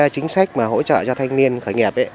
chính sách hỗ trợ cho thanh niên khởi nghiệp